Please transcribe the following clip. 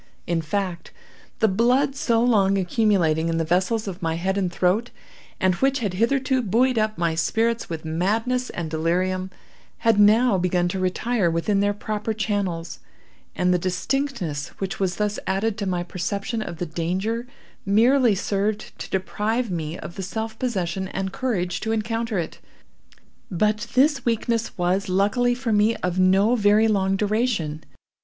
In fact, the blood so long accumulating in the vessels of my head and throat, and which had hitherto buoyed up my spirits with madness and delirium, had now begun to retire within their proper channels, and the distinctness which was thus added to my perception of the danger, merely served to deprive me of the self possession and courage to encounter it. But this weakness was, luckily for me, of no very long duration.